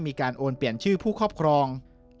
มีนายสับเป็นผู้ครอบครองตั้งแต่ปี๒๕๒๑